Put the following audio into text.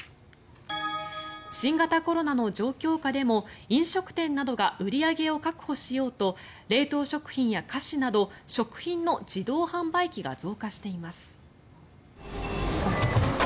新型コロナの状況下でも飲食店などが売り上げを確保しようと冷凍食品や菓子など食品の自動販売機が増加しています。